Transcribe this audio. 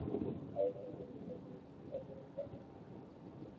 সারাটা উড়ানে ধৈর্য ধরার জন্য আপনাকে ধন্যবাদ।